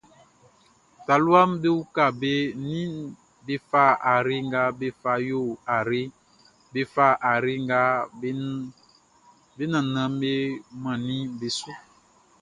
Taluaʼm be uka be ninʼm be fa ayre nga be fa yo ayreʼn, be fa ayre nga be nannanʼm be mannin beʼn su.